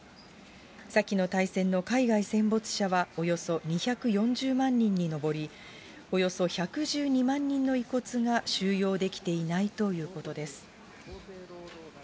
先の大戦の海外戦没者はおよそ２４０万人に上り、およそ１１２万人の遺骨が収容できていないということです。